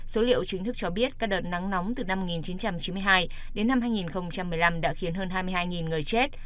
số liệu chính thức cho biết các đợt nắng nóng từ năm một nghìn chín trăm chín mươi hai đến năm hai nghìn một mươi năm đã khiến hơn hai mươi hai người chết